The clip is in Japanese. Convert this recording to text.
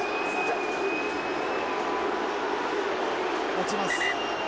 落ちます。